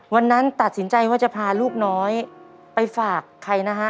วันนั้นตัดสินใจว่าจะพาลูกน้อยไปฝากใครนะฮะ